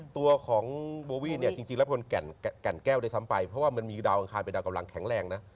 ตัวของโบวี่เนี่ยจริงแล้วเป็นแก่นแก้วด้วยซ้ำไปเพราะว่ามันมีดาวอังคารเป็นดาวกำลังแข็งแรงนะ